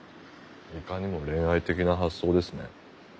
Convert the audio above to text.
いかにも恋愛的な発想ですね。